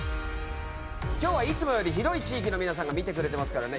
今日はいつもより広い地域の皆さんが見てくれてますからね